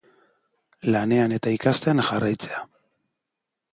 Lanean eta ikasten jarraitzea.